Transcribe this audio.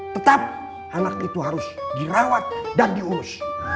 tetap anak itu harus dirawat dan diurus